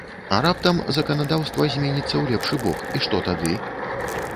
А раптам заканадаўства зменіцца ў лепшы бок, і што тады?